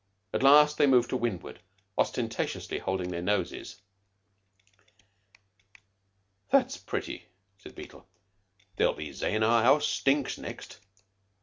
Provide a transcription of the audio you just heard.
At last they moved to windward, ostentatiously holding their noses. "That's pretty," said Beetle. "They'll be sayin' our house stinks next."